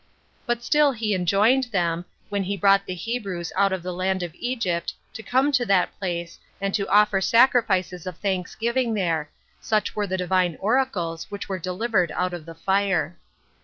But still he enjoined them, when he brought the Hebrews out of the land of Egypt, to come to that place, and to offer sacrifices of thanksgiving there, Such were the divine oracles which were delivered out of the fire.